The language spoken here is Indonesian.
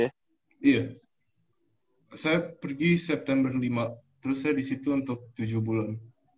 iya saya pergi september lima terus saya di situ untuk tujuh bulan